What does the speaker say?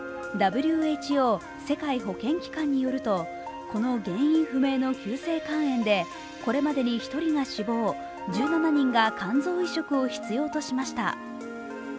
ＷＨＯ＝世界保健機関によると、この原因不明の急性肝炎でこれまでに１人が死亡、１７人が肝臓移植を必要としました。